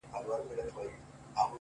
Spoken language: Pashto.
ما په ژړغوني اواز دا يــوه گـيـله وكړه;